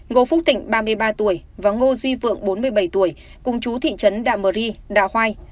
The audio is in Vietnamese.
ngô phúc thịnh ba mươi ba tuổi và ngô duy vượng bốn mươi bảy tuổi cùng chú thị trấn đạ mơ ri đạ hoai